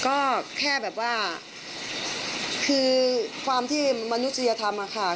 ก็แค่แบบว่าคือความที่มนุษยธรรมอะค่ะ